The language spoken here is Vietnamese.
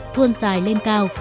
thuôn dài lên cao